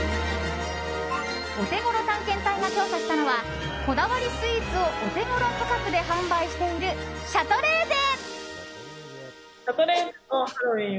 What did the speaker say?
オテゴロ探検隊が調査したのはこだわりスイーツをオテゴロ価格で販売しているシャトレーゼ。